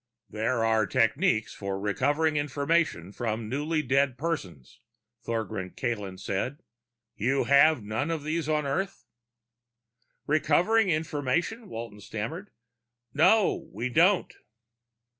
"There are techniques for recovering information from newly dead persons," Thogran Klayrn said. "You have none of these on Earth?" "Recovering information?" Walton stammered. "No, we don't."